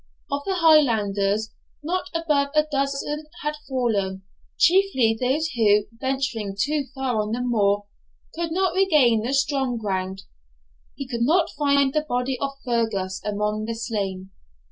Of the Highlanders, not above a dozen had fallen, chiefly those who, venturing too far on the moor, could not regain the strong ground. He could not find the body of Fergus among the slain.